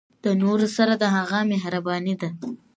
د نورو سره د هغه مهرباني ده.